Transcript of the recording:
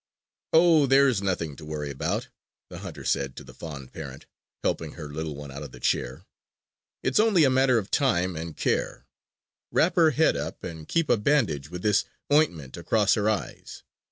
"Oh, there's nothing to worry about," the hunter said to the fond parent, helping her little one out of the chair. "It's only a matter of time and care. Wrap her head up, and keep a bandage with this ointment across her eyes.